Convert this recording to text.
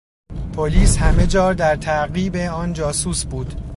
پلیس همهجا در تعقیب آن جاسوس بود.